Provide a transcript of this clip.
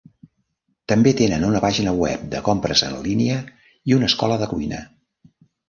També tenen una pàgina web de compres en línia i una "escola de cuina".